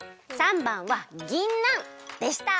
③ばんはぎんなんでした。